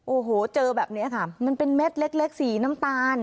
โอ้โหเจอแบบนี้ค่ะมันเป็นเม็ดเล็กสีน้ำตาล